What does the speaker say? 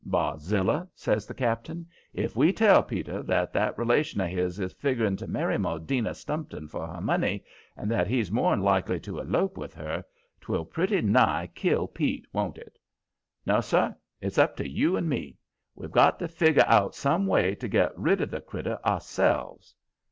"Barzilla," says the cap'n, "if we tell Peter that that relation of his is figgering to marry Maudina Stumpton for her money, and that he's more'n likely to elope with her, 'twill pretty nigh kill Pete, won't it? No, sir; it's up to you and me. We've got to figger out some way to get rid of the critter ourselves."